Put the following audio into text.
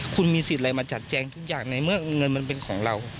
คุณมีสิทธิ์อะไรมาจัดแจงทุกอย่างในเมื่อเงินมันเป็นของเรา